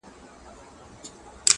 تامي د خوښۍ سترگي راوباسلې مړې دي كړې